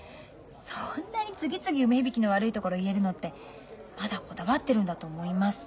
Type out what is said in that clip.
そんなに次々梅響の悪いところ言えるのってまだこだわってるんだと思います。